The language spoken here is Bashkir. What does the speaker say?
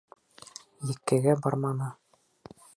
Еккегә барманы.